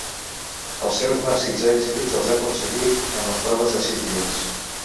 Els seus màxims èxits els ha aconseguit en les proves de sis dies.